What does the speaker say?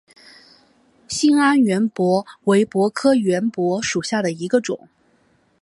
兴安圆柏为柏科圆柏属下的一个种。